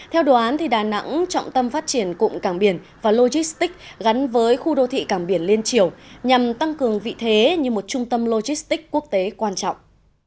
theo đồ án đà nẵng trọng tâm phát triển cụm cảng biển và logistics gắn với khu đô thị cảng biển liên triều nhằm tăng cường vị thế như một trung tâm logistics quốc tế quan trọng